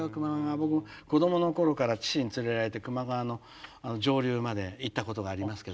僕も子どもの頃から父に連れられて球磨川の上流まで行ったことがありますけどね。